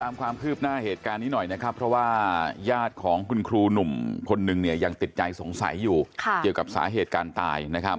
ความคืบหน้าเหตุการณ์นี้หน่อยนะครับเพราะว่าญาติของคุณครูหนุ่มคนหนึ่งเนี่ยยังติดใจสงสัยอยู่เกี่ยวกับสาเหตุการณ์ตายนะครับ